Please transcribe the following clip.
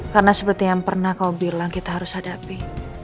karena seperti yang pernah kau bilang kita harus hadapi